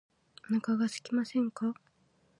お腹がすきませんか